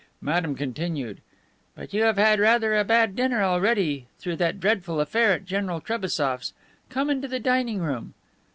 Madame continued: "But you have had rather a bad dinner already, through that dreadful affair at General Trebassof's. Come into the dining room."